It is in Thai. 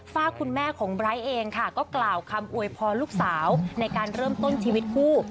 ฝากคุณแม่ของไบร์ทเองค่ะก็กล่าวคำอวยพรลูกสาวในการเริ่มต้นชีวิตคู่